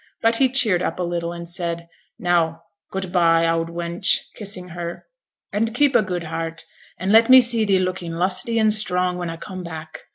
But he cheered up a little and said, 'Now, good by, oud wench' (kissing her), 'and keep a good heart, and let me see thee lookin' lusty and strong when a come back.